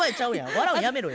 笑うのやめろや。